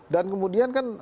dan kemudian kan